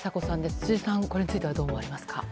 辻さん、これについてはどう思われますか？